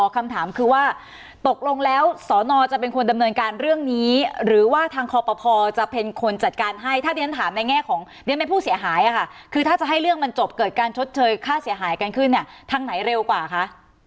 คำถามคือว่าตกลงแล้วสอนอจะเป็นคนดำเนินการเรื่องนี้หรือว่าทางคอปภจะเป็นคนจัดการให้ถ้าเรียนถามในแง่ของเรียนเป็นผู้เสียหายค่ะคือถ้าจะให้เรื่องมันจบเกิดการชดเชยค่าเสียหายกันขึ้นเนี่ยทางไหนเร็วกว่าคะ